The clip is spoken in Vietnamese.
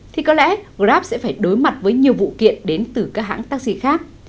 thì có lẽ grab sẽ phải đối mặt với nhiều vụ kiện đến từ các hãng taxi khác